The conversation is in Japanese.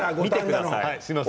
すみません。